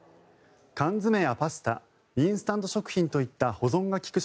缶詰やパスタインスタント食品といった保存が利く